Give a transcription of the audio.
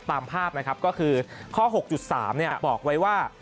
ตามภาพนะครับก็คือข้อ๖๓บอกไว้ว่า